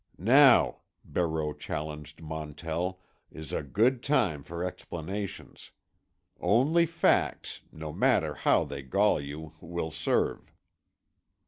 "Now," Barreau challenged Montell, "is a good time for explanations. Only facts, no matter how they gall you, will serve.